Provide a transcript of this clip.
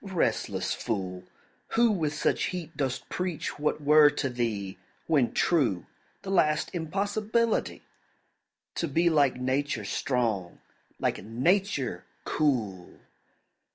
Restless fool, Who with such heat dost preach what were to thee, When true, the last impossibility To be like Nature strong, like Nature cool!